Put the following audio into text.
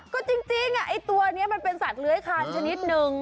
ก็จริงไอ้ตัวนี้มันเป็นสัตว์เลื้อยคานชนิดนึง